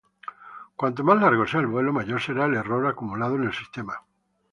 Cuanto más largo sea el vuelo mayor será el error acumulado en el sistema.